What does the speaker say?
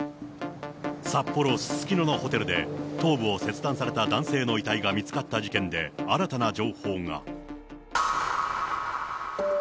札幌・すすきののホテルで頭部を切断された男性の遺体が見つかった事件で、新たな情報が。